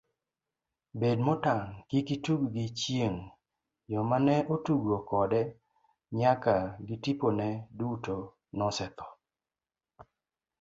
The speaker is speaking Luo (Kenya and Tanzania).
Bed motang' kik itug gi chieng' joma ne otugo kode nyaka gitipone, duto nosetho.